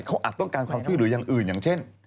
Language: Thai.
เขาอาจต้องการความช่วยเหลืออย่างอื่นอย่างเช่น